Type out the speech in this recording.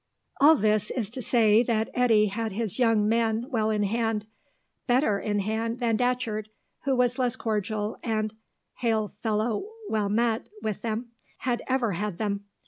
All this is to say that Eddy had his young men well in hand better in hand than Datcherd, who was less cordial and hail fellow well met with them, had ever had them.